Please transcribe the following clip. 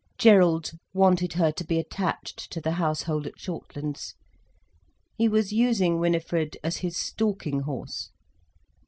Gerald wanted her to be attached to the household at Shortlands, he was using Winifred as his stalking horse.